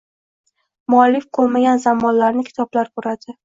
Muallif ko‘rmagan zamonlarni kitoblari ko‘radi.